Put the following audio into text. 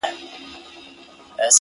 پرده به خود نو; گناه خوره سي;